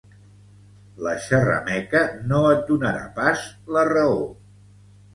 La xerrameca no et donarà pas la raó